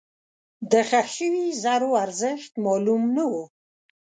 دښخ شوي زرو ارزښت معلوم نه و.